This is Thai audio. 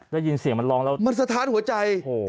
ได้ยินเสียงมันร้องแล้วมันสะท้านหัวใจ